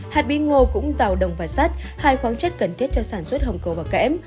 hạt bí ngô cũng giàu đồng và sắt hai khoáng chất cần thiết cho sản xuất hồng cầu và kẽm